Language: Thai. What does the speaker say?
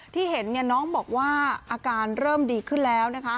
ที่เห็นน้องบอกว่าอาการเริ่มดีขึ้นแล้วนะคะ